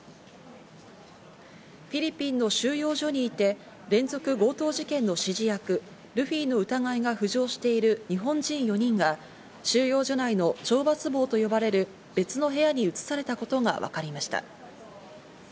フィリピンの収容所にいて連続強盗事件の指示役・ルフィの疑いが浮上している日本人４人が、収容所内の懲罰房と呼ばれる別の部屋に移されたことがわかりました。